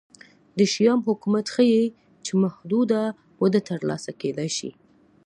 د شیام حکومت ښيي چې محدوده وده ترلاسه کېدای شي